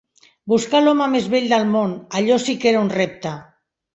Buscar l'home més vell del món, allò sí que era un repte.